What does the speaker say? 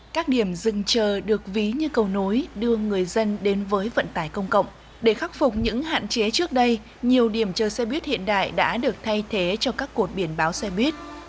các điểm dừng chờ được ví như cầu nối đưa người dân đến với vận tải công cộng để khắc phục những hạn chế trước đây nhiều điểm chờ xe buýt hiện đại đã được thay thế cho các cột biển báo xe buýt